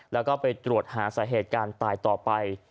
แล้วก็ไปตรวจหาสาเหตุการณ์ตายต่อไป